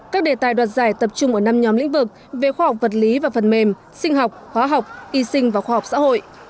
các đề tài đoạt giải tập trung ở năm nhóm lĩnh vực về khoa học vật lý và phần mềm sinh học khoa học y sinh và khoa học xã hội